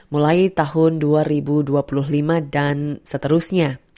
mulai tahun dua ribu dua puluh lima dan seterusnya